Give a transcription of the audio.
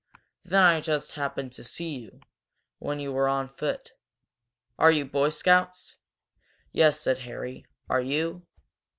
Then I just happened to see you, when you were on foot. Are you Boy Scouts?" "Yes," said Harry. "Are you?"